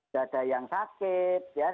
dada yang sakit